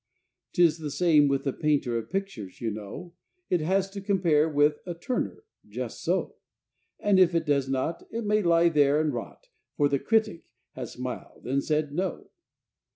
'Tis the same with the painter of pictures, you know It has to compare with a "Turner" just so! And if it does not, it may lie there and rot, For the "Critic" has smiled and said "No."